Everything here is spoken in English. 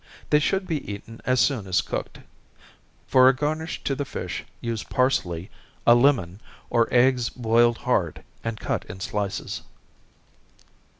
They should be eaten as soon as cooked. For a garnish to the fish, use parsely, a lemon, or eggs boiled hard, and cut in slices.